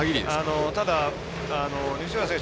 ただ、西浦選手